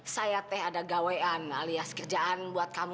saya teh ada gawean alias kerjaan buat kami